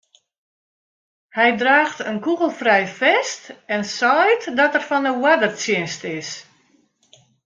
Hy draacht in kûgelfrij fest en seit dat er fan de oardertsjinst is.